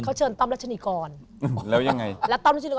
เขาเชิญต้อมรัชนิกร